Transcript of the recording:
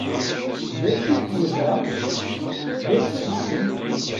D acu i yeẓra? D acu yessen?